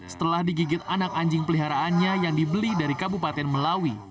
setelah digigit anak anjing peliharaannya yang dibeli dari kabupaten melawi